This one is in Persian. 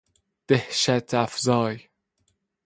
دهشت افزای